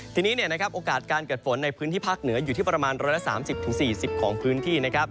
ทีนี้โอกาสการเกิดฝนในพื้นที่ภาคเหนืออยู่ที่ประมาณ๑๓๐๔๐ของพื้นที่